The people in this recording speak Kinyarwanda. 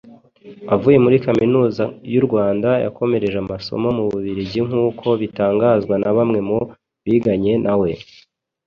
Avuye muri Kaminuza y’u Rwanda yakomereje amasomo mu Bubuligi nk’uko bitangazwa na bamwe mu biganye nawe